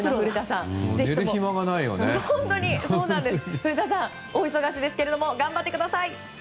古田さん、大忙しですが頑張ってください。